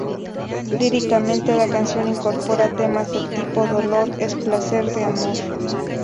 Líricamente, la canción incorpora temas del tipo dolor-es-placer de amor.